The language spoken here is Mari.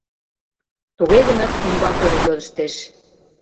Туге гынат умбакыже йодыштеш: